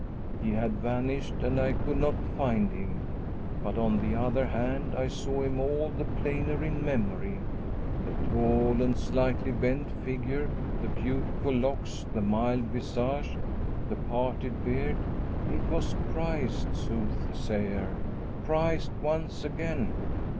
He had vanished and I could not find him. But, on the other hand, I saw him all the plainer in memory the tall and slightly bent figure, the beautiful locks, the mild visage, the parted beard. It was Christ, soothsayer, Christ once again.